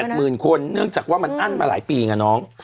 หมื่นคนเนื่องจากว่ามันอั้นมาหลายปีไงน้อง